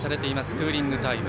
クーリングタイム。